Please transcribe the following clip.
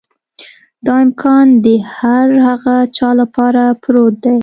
دا امکان د هر هغه چا لپاره پروت دی.